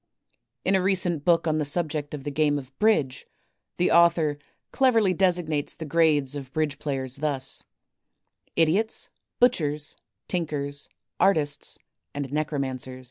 In a recent book on the subject of the game of Bridge, the author cleverly designates the grades of Bridge players thus: Idiots, Butchers, Tinkers, Artists, and Necromancer?.